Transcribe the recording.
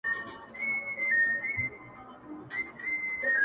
o ته چي راغلې سپين چي سوله تور باڼه.